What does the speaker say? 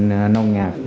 trở nên nông nhạc